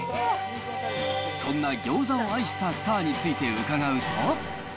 そんなギョーザを愛したスターについて伺うと。